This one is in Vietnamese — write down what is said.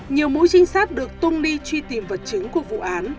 nhiều mũi trinh sát được tung đi truy tìm vật chứng của vụ án